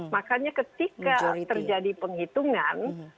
makanya ketika terjadi penghitungan